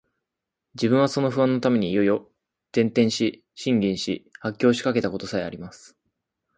自分はその不安のために夜々、転輾し、呻吟し、発狂しかけた事さえあります